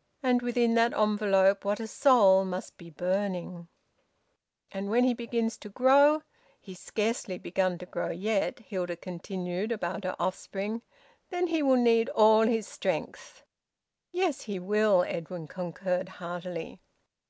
... And within that envelope, what a soul must be burning! "And when he begins to grow he's scarcely begun to grow yet," Hilda continued about her offspring, "then he will need all his strength!" "Yes, he will," Edwin concurred heartily.